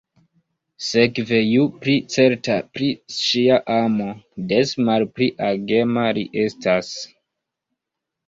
Sekve, ju pli certa pri ŝia amo, des malpli agema li estas.